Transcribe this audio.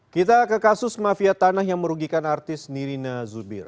kita ke kasus mafia tanah yang merugikan artis nirina zubir